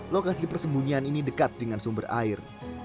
lokasi persembunyian ini dekat dengan sumber air